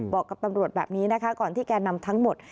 บอกกับตำรวจแบบนี้นะคะก่อนที่แกนนำทั้งหมด